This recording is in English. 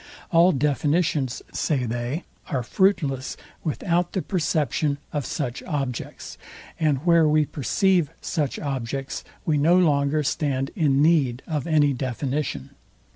All definitions, say they, are fruitless, without the perception of such objects; and where we perceive such objects, we no longer stand in need of any definition.